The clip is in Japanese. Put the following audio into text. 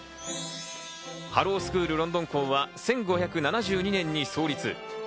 ハロウスクールロンドン校は１５７２年に創立。